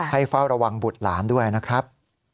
เฝ้าระวังบุตรหลานด้วยนะครับ